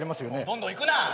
どんどんいくなぁ。